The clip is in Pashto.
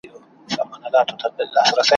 ستا د هجر د تور تمه